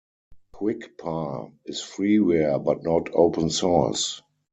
QuickPar is freeware but not open source.